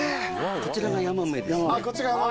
こちらがヤマメです。